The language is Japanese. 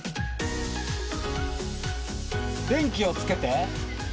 電気をつけて。